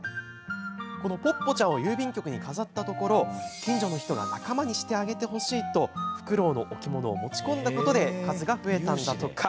ポッポちゃんを郵便局に飾ったところ近所の人が仲間にしてあげてほしいとふくろうの置物を持ち込んだことで数が増えたんだとか。